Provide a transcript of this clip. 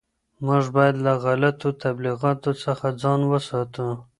موږ باید له غلطو تبلیغاتو څخه ځان وساتو.